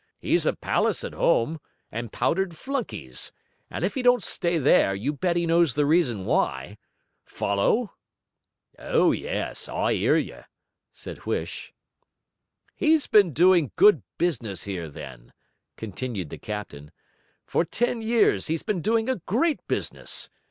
He's a palace at home, and powdered flunkies; and if he don't stay there, you bet he knows the reason why! Follow?' 'O yes, I 'ear you,' said Huish. 'He's been doing good business here, then,' continued the captain. 'For ten years, he's been doing a great business.